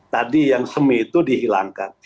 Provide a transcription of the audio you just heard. tadi yang semi itu dihilangkan